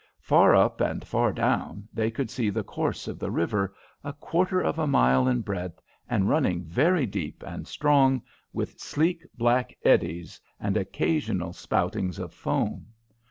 Far up and far down they could see the course of the river, a quarter of a mile in breadth, and running very deep and strong, with sleek black eddies and occasional spoutings of foam.